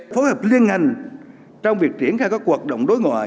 phối hợp liên ngành trong việc triển khai các quốc gia